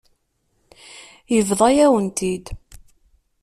Yebḍa-yawen-t-id.